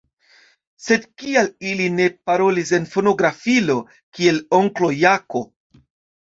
Sed kial ili ne parolis en fonografilo, kiel onklo Jako?